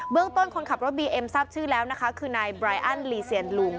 เรื่องต้นคนขับรถบีเอ็มทราบชื่อแล้วนะคะคือนายบรายอันลีเซียนลุง